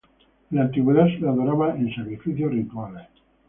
En la antigüedad se le adoraba en sacrificios rituales.